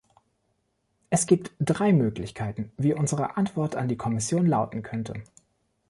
Es gibt drei Möglichkeiten, wie unsere Antwort an die Kommission lauten könnte.